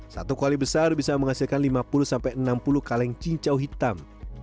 satu kuali besar bisa menghasilkan lima puluh sampai enam puluh kaleng cincau hitam